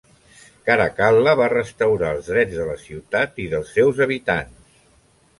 Caracal·la va restaurar els drets de la ciutat i dels seus habitants.